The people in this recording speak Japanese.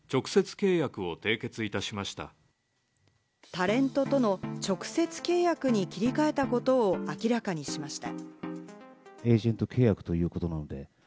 タレントとの直接契約に切り替えたことを明らかにしました。